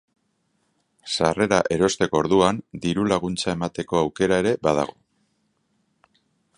Sarrera erosteko orduan, diru-laguntza emateko aukera ere badago.